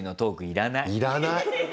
要らない。